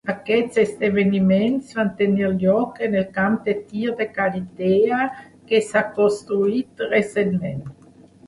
Aquests esdeveniments van tenir lloc en el camp de tir de Kallithea, que s'ha construït recentment.